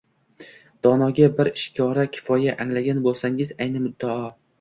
Donoga bir ishora kifoya, anglagan bo‘lsangiz ayni muddao